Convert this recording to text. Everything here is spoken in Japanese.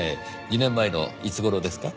２年前のいつ頃ですか？